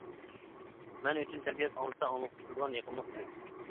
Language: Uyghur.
مەن ئۈچۈن تەبىئەت ئاڭلىسا-ئاڭلىغۇسى كېلىدىغان يېقىملىق كۈي.